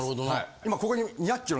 今ここに。